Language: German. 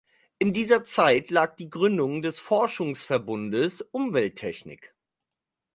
In dieser Zeit lag die Gründung des Forschungsverbundes Umwelttechnik.